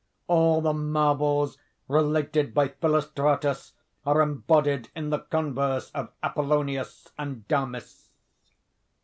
All the marvels related by Philostratus are embodied in the converse of Apollonius and Damis.